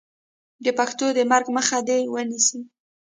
د پښتو د مرګ مخه دې ونیسو.